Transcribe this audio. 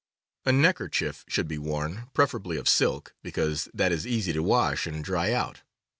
A neckerchief should be worn, preferably of silk, because that is easy to wash and dry out.